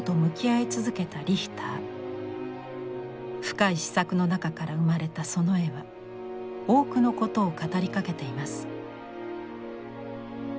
深い思索の中から生まれたその絵は多くのことを語りかけています。